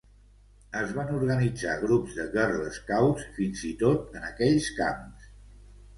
Es van organitzar grups de girl scouts, fins-i-tot en aquells camps.